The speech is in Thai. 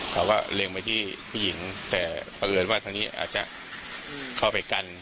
เขาก็เลงไปที่ผู้หญิงประเภทว่าอาจจะเข้าไปกัน